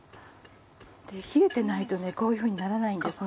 冷えてないとこういうふうにならないんです。